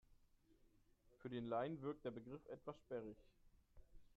Für den Laien wirkt der Begriff etwas sperrig.